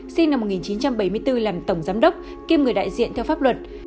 sinh năm một nghìn chín trăm bảy mươi bốn làm tổng giám đốc kiêm người đại diện theo pháp luật